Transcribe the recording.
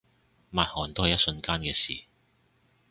抹汗都係一瞬間嘅事